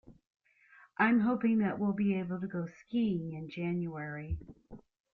I'm hoping that we'll be able to go skiing in January.